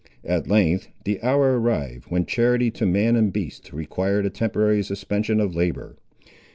At length the hour arrived when charity to man and beast required a temporary suspension of labour.